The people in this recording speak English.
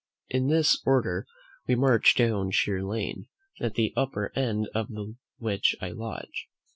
In this order we marched down Sheer Lane, at the upper end of which I lodge.